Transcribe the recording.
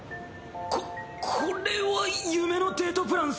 ここれは夢のデートプラン